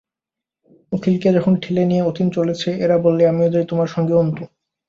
অখিলকে যখন ঠেলে নিয়ে অতীন চলেছে এলা বললে, আমিও যাই তোমার সঙ্গে অন্তু।